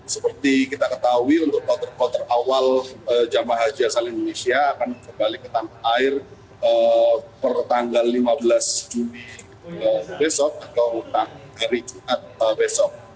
seperti kita ketahui untuk kloter kloter awal jemaah haji asal indonesia akan kembali ke tanah air per tanggal lima belas juni besok atau hari jumat besok